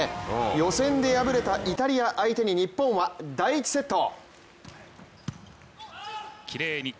予選で敗れたイタリア相手に日本は第１セット。